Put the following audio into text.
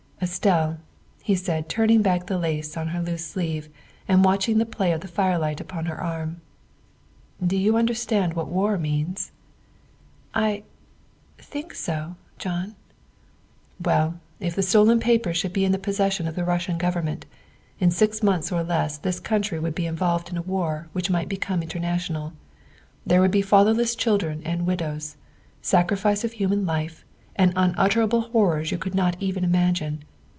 " Estelle," he said, turning back the lace of her loose sleeve and watching the play of the firelight upon her arm, " do you understand what war means?" " I think so, John." ' Well, if the stolen papers should be in the posses sion of the Russian Government, in six months or less this country would be involved in a war which might become international. There would be fatherless chil dren and widows, sacrifice of human life, and unutter able horrors you could not even imagine.